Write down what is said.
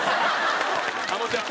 あのちゃん！